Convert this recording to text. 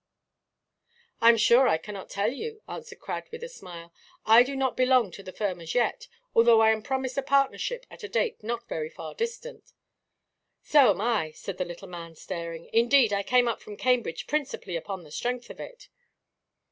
"I am sure I cannot tell you," answered Crad, with a smile; "I do not belong to the firm as yet, although I am promised a partnership at a date not very distant." "So am I," said the little man, staring; "indeed, I came up from Cambridge principally upon the strength of it."